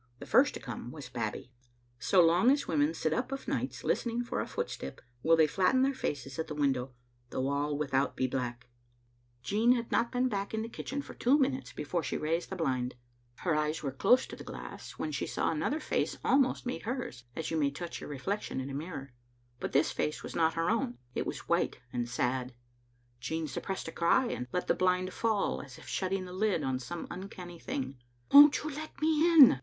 The first to come was Babbie. So long as women sit up of nights listening for a footstep, will they flatten their faces at the window, though all without be black. Jean had not been back Digitized by VjOOQ IC 884 tSbc Xittle AIntotev. in the kitchen for two minutes before she raised the blind. Her eyes were close to the glass, when she saw another face almost meet hers, as you may touch your reflection in a mirror. But this face was not her own. It was white and sad. Jean suppressed a cry, and let the blind fall, as if shutting the lid on some uncanny thing. "Won't you let me in?"